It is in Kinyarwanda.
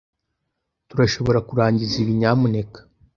Turashobora kurangiza ibi, nyamuneka?